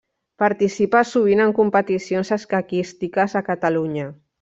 Participa sovint en competicions escaquístiques a Catalunya.